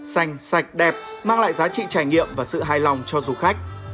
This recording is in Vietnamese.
xanh sạch đẹp mang lại giá trị trải nghiệm và sự hài lòng cho du khách